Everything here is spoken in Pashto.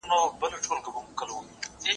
پخواني سفیران د نړیوالي ټولني بشپړ ملاتړ نه لري.